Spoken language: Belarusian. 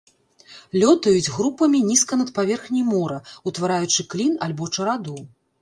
Лётаюць групамі нізка над паверхняй мора, утвараючы клін альбо чараду.